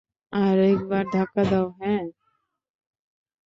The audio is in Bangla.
আরেকবার ধাক্কা দাও, হ্যাঁ।